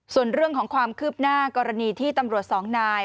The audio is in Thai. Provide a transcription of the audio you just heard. ส่วนเรื่องของความคืบหน้ากรณีที่ตำรวจสองนาย